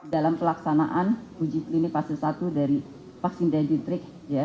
dalam pelaksanaan uji klinik fase satu dari vaksin denditrik